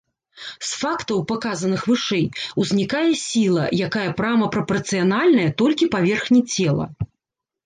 З фактаў, паказаных вышэй, узнікае сіла, якая прама прапарцыянальная толькі паверхні цела.